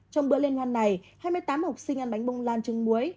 trong bữa liên hoan này hai mươi tám học sinh ăn bánh bông lan trứng muối